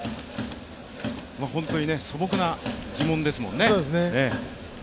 本当に素朴な疑問ですもんね。